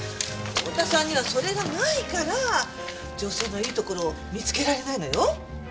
太田さんにはそれがないから女性のいいところを見つけられないのよ。